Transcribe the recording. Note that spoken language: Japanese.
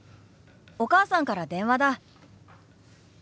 お母さんから電話だ。